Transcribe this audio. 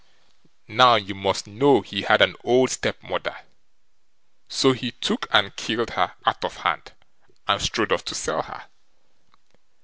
Now, you must know he had an old stepmother, so he took and killed her out of hand, and strode off to sell her.